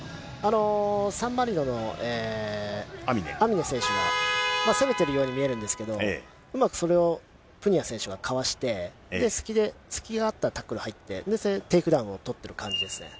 サンマリノのアミネ選手、攻めてるように見えるんですけど、うまくそれをプニア選手が交わして、隙で、突きがあったタックルが入って、テイクダウンを取ってる感じです